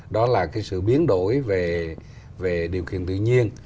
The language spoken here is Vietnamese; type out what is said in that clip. đó là cái sự biến đổi về điều kiện tự nhiên